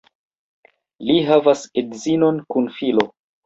Li havas edzinon kun filo.